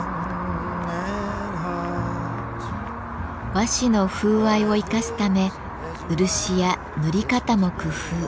和紙の風合いを生かすため漆や塗り方も工夫。